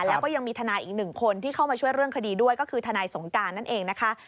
แล้วก็ยังมีทนายอีกหนึ่งคนที่เข้ามาช่วยเรื่องคดีด้วยก็คือทนายสงการนั่นเองนะคะ